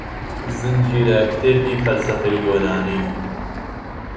زنجیرەکتێبی فەلسەفەی یۆنانی